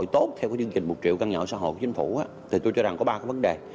tôi cho rằng có ba vấn đề